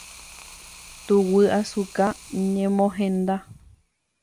Tuguyasuka ñemohenda.